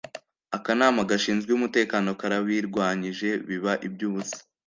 akanama gashinzwe umutekano karabirwanyije biba iby’ubusa